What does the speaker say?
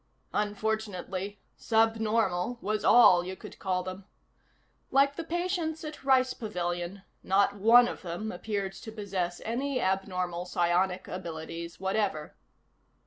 Unfortunately, subnormal was all you could call them. Like the patients at Rice Pavilion, not one of them appeared to possess any abnormal psionic abilities whatever.